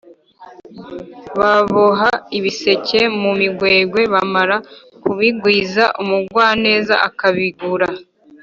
Baboha ibiseke mu migwegwe bamara kubigwiza umugwaneza akabigura